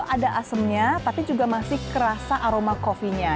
ada asemnya tapi juga masih kerasa aroma coffee nya